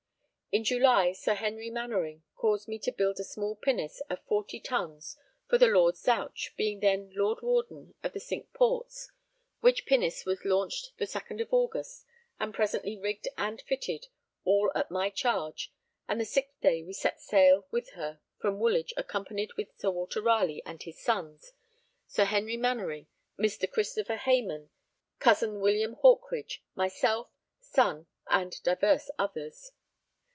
In July Sir Henry Mainwaring caused me to build a small pinnace of 40 tons for the Lord Zouch, being then Lord Warden of the Cinque Ports, which pinnace was launched the 2nd of August and presently rigged and fitted, all at my charge; and the 6th day we set sail with her from Woolwich accompanied with Sir Walter Ralegh and his sons, Sir Henry Mainwaring, Mr. Christopher Hamon, cousin William Hawkridge, myself, son, and divers others.